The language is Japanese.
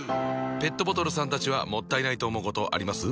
ペットボトルさんたちはもったいないと思うことあります？